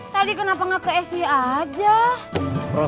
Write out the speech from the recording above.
bapak udah beli hp baru